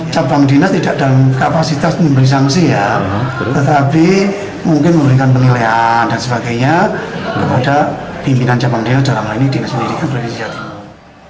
cabang dinas tidak dalam kapasitas memberi sanksi ya tetapi mungkin memberikan penilaian dan sebagainya kepada pimpinan cabang dewa dalam hal ini dinas pendidikan provinsi jawa timur